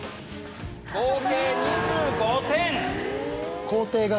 合計２５点。